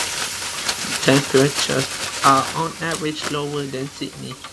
Temperatures are on average lower than Sydney.